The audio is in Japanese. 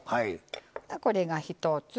これが一つ。